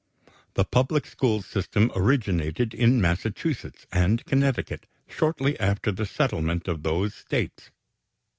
= The public school system originated in Massachusetts and Connecticut shortly after the settlement of those States.